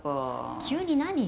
急に何？